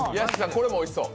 これもおいしそう。